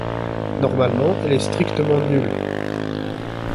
Normalement, elle est strictement nulle.